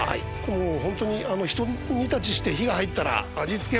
ホントにひと煮立ちして火が入ったら味付け